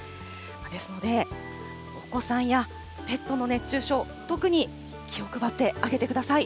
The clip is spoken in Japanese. ですので、お子さんやペットの熱中症、特に気を配ってあげてください。